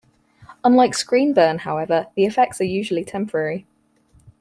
Unlike screen burn, however, the effects are usually temporary.